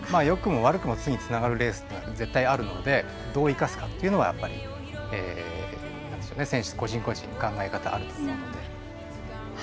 よくも悪くも次につながるレースというのは絶対あるのでどう生かすかっていうのはやっぱり、選手、個人個人考え方、あると思うので。